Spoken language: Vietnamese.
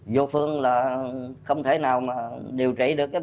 vô phương là không thể nào mà điều trị được